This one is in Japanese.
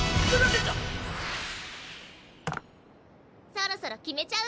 そろそろ決めちゃう？